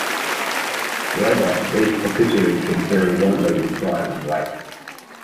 However, these bokuto can vary widely in size and weight.